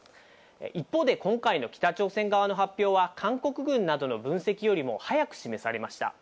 一方で今回の北朝鮮側の発表は韓国軍などの分析よりも早く示されました。